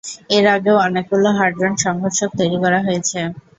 এর আগেও অনেকগুলো হ্যাড্রন-সংঘর্ষক তৈরি করা হয়েছে।